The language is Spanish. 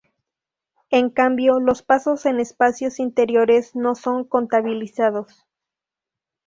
En cambio, los pasos en espacios interiores no son contabilizados.